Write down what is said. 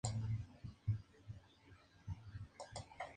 En "Speed of Sound" retuvieron el título contra Karl Anderson y Joey Ryan.